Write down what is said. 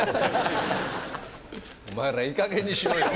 お前ら、いいかげんにしろよ！